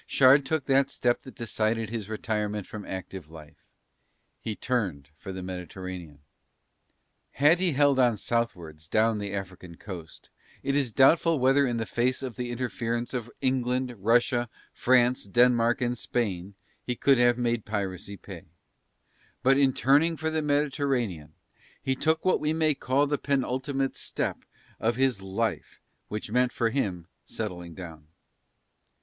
Shard took that step that decided his retirement from active life, he turned for the Mediterranean. Had he held on Southwards down the African coast it is doubtful whether in face of the interference of England, Russia, France, Denmark and Spain, he could have made piracy pay; but in turning for the Mediterranean he took what we may call the penultimate step of his life which meant for him settling down.